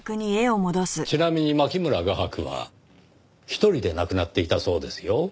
ちなみに牧村画伯は一人で亡くなっていたそうですよ。